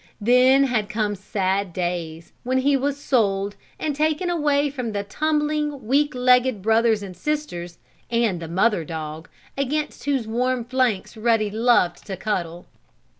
Then had come sad days, when he was sold and taken away from the tumbling, weak legged brothers and sisters, and the mother dog, against whose warm flanks Ruddy loved to cuddle.